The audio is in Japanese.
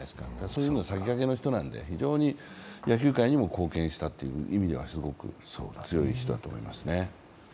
そういうのの先駆けの人なんで、野球界にも貢献したという意味ではすごく強い人だと思いますね。